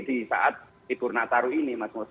di saat tibur nataru ini mas